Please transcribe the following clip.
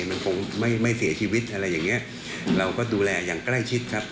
มันคงไม่ไม่เสียชีวิตอะไรอย่างเงี้ยเราก็ดูแลอย่างใกล้ชิดครับ